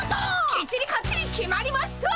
きっちりかっちり決まりました！